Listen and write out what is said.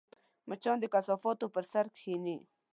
مچان د کثافاتو پر سر کښېني